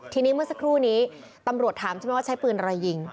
ทีนี้เมื่อสักครู่นี้ตำรวจถามใช้ปืนอะไรยิง